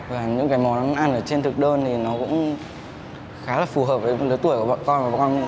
và những cái món ăn ở trên thực đơn thì nó cũng khá là phù hợp với lứa tuổi của bọn con